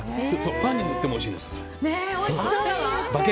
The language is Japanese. パンに塗ってもおいしいです。